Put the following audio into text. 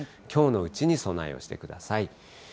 きょうのうちに備えをしておいてください。